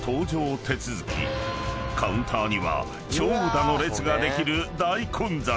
［カウンターには長蛇の列ができる大混雑］